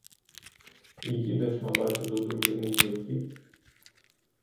І їдеш на дачу до дружини й батьків?